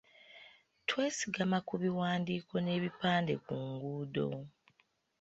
Twesigama ku biwandiiko n’ebipande ku nguudo.